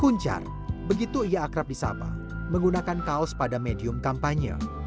kuncar begitu ia akrab di sapa menggunakan kaos pada medium kampanye